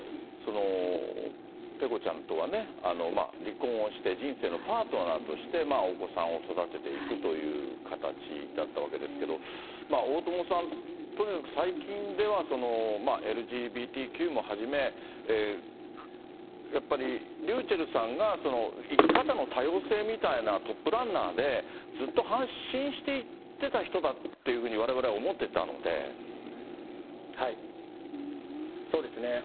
ペコちゃんとはね、離婚をして、人生のパートナーとしてお子さんを育てていくという形だったわけですけど、大友さん、とにかく最近では、ＬＧＢＴＱもはじめ、やっぱりｒｙｕｃｈｅｌｌさんが生き方の多様性みたいなトップランナーで、ずっと発信していってた人だっていうふうにわれわれは思ってたのそうですね。